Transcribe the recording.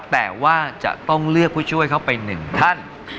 แต่ว่าจะต้องเลือกผู้ช่วยเข้าไปหนึ่งท่าน